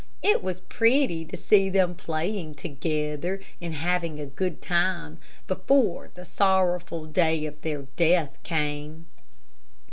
It was pretty to see them playing together and having a good time before the sorrowful day of their death came.